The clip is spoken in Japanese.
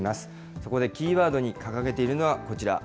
そこでキーワードに掲げているのはこちら。